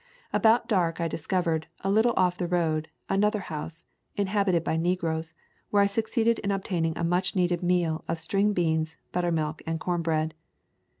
About dark I discovered, a little off the road, another house, inhabited by negroes, where I succeeded in obtaining a much needed meal of string beans, buttermilk, and corn bread.